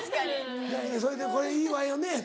「それでこれいいわよね。